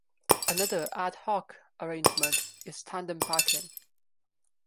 Another "ad hoc" arrangement is "tandem parking".